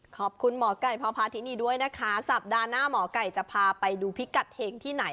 ขอบคุณหมอไก่พพาธินีด้วยนะคะสัปดาห์หน้าหมอไก่จะพาไปดูพิกัดเฮงที่ไหน